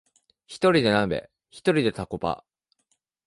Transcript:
ひとりで鍋、ひとりでタコパ